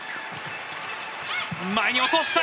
前に落とした！